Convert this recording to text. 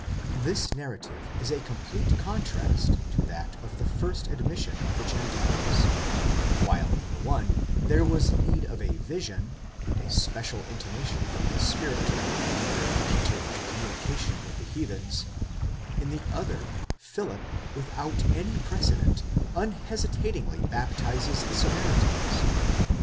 This narrative is a complete contrast to that of the first admission of the Gentiles: while in the one there was need of a vision, and a special inti mation from the Spirit, to bring Peter into communication with the heathens ; in the other, Philip, without any precedent, unhesitatingly baptizes the Samaritans.